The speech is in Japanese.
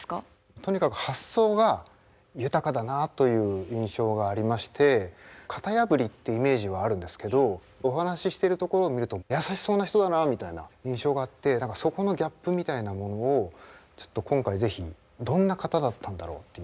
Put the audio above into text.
とにかく発想が豊かだなあという印象がありまして型破りってイメージはあるんですけどお話ししてるところを見ると優しそうな人だなあみたいな印象があってそこのギャップみたいなものをちょっと今回是非どんな方だったんだろうっていう。